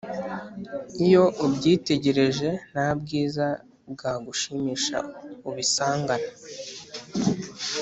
iyo ubyitegereje, nta bwiza bwagushimisha ubisangana